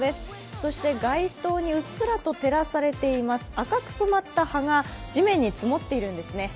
そして街灯にうっすらと照らされています赤く染まった葉が地面に積もっているんですね。